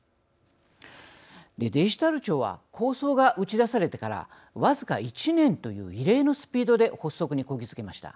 デジタル庁は構想が打ち出されてから僅か１年という異例のスピードで発足にこぎ着けました。